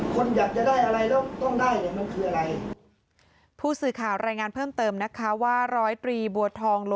ผมอยากให้เคารพกันบ้าง